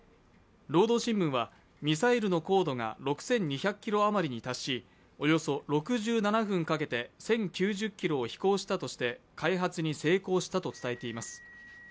「労働新聞」はミサイルの高度が６２００ｋｍあまりに達しおよそ６７分かけて１０９０ｋｍを飛行したとして、開発に成功したと伝えています。